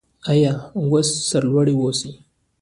آیا او سرلوړي اوسو؟